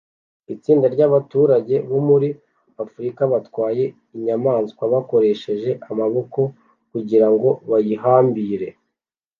Itsinda ryabaturage bo muri Afrika batwaye inyamaswa bakoresheje amaboko kugirango bayihambire